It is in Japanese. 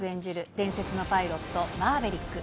伝説のパイロット、マーベリック。